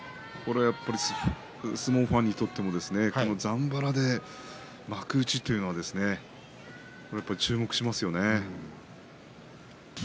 相撲ファンにとってもざんばらで幕内というのは注目しますよね。